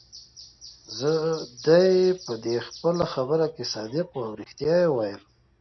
دی په دې خپله خبره کې صادق وو، او ريښتیا يې ویل.